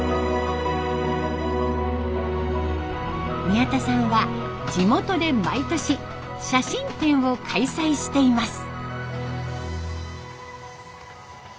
宮田さんは地元で毎年写真展を開催しています。